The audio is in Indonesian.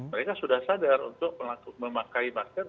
mereka sudah sadar untuk memakai masker